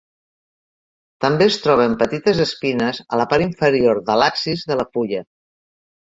També es troben petites espines a la part inferior de l'axis de la fulla.